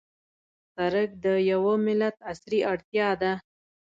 سړک د یوه ملت عصري اړتیا ده.